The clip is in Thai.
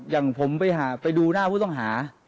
อย่างผมไปดูหน้าผู้ต้องหา